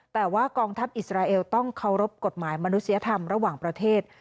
แต่ว่ากองทัพอิสราเอลต้องเคารพกฎหมายมนุษยธรรมระหว่างประเทศ